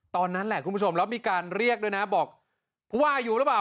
ตอนนั้นแหละคุณผู้ชมแล้วมีการเรียกด้วยนะบอกผู้ว่าอยู่หรือเปล่า